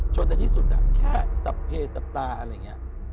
ชนในที่สุดแค่ใส่สับเพจสับตาอะไรแบบนี้